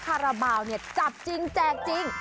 คาราบาลเนี่ยจับจริงแจกจริง